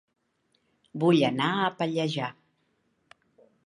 Vull anar a Pallejà